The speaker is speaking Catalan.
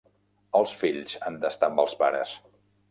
Els fills han d’estar amb els pares.